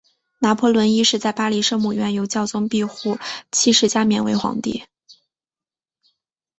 拿破仑一世在巴黎圣母院由教宗庇护七世加冕为皇帝。